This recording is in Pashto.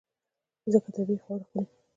ځکه طبیعي خواړه خوري.